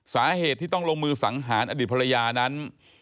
สาเหตุที่ต้องลงมือสังหารอดีตภรรยานั้น